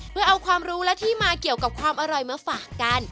เพื่อเอาความรู้และที่มาเกี่ยวกับความอร่อยมาฝากกัน